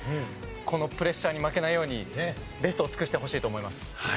このプレッシャーに負けないようにベストを尽くしてほしいと思います。